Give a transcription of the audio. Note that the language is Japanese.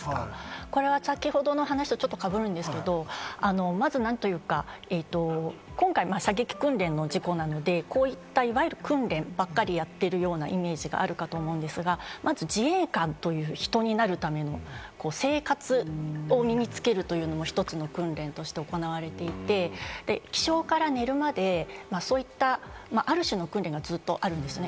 先ほどの話とちょっとかぶるんですけど、まず何というか、今回、射撃訓練の事故なので、こういった、いわゆる訓練ばっかりやってるようなイメージがあるかと思うんですが、まず自衛官という人になるための生活を身につけるというのも一つの訓練として行われていて、起床から寝るまで、ある種の訓練がずっとあるんですね。